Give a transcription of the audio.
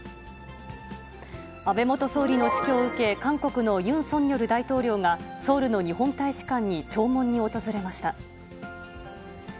安倍元総理の死去を受け、韓国のユン・ソンニョル大統領が、ソウルの日本大使館に弔問に訪れました。